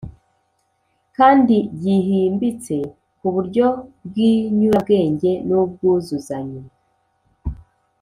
kandi gihimbitse ku buryo bw’inyurabwenge n’ubwuzuzanye